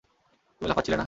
তুমি লাফাচ্ছিলে না?